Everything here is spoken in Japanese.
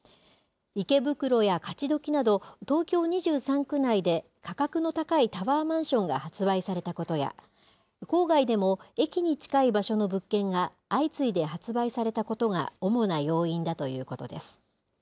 池袋や勝どきなど、東京２３区内で価格の高いタワーマンションが発売されたことや、郊外でも駅に近い場所の物件が相次いで発売されたことが、主な要因だということです。